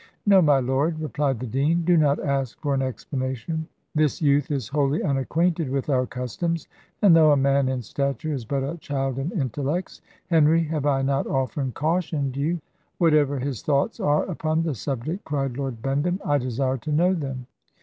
"No, my lord," replied the dean, "do not ask for an explanation: this youth is wholly unacquainted with our customs, and, though a man in stature, is but a child in intellects. Henry, have I not often cautioned you " "Whatever his thoughts are upon the subject," cried Lord Bendham, "I desire to know them."